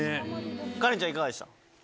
カレンちゃんいかがでした？